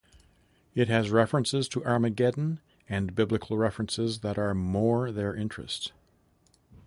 It has references to Armageddon and biblical references that are more their interest.